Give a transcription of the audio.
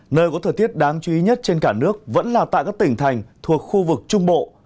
nơi có thời tiết đáng chú ý nhất trên cả nước vẫn là tại các tỉnh thành thuộc khu vực trung bộ